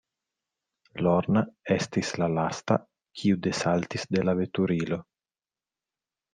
Lorna estis la lasta, kiu desaltis de la veturilo.